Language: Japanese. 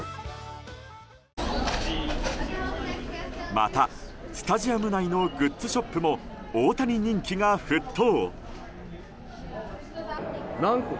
また、スタジアム内のグッズショップも大谷人気が沸騰。